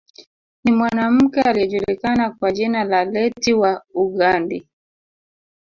Ni mwanamke aliyejulikana kwa jina la Leti wa Ughandi